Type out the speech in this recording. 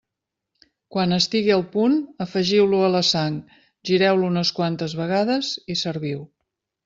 Quan estigui al punt, afegiu-lo a la sang, gireu-lo unes quantes vegades i serviu.